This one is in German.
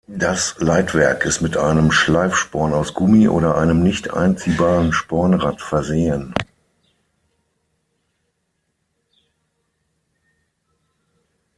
Das Leitwerk ist mit einem Schleifsporn aus Gummi oder einem nicht einziehbaren Spornrad versehen.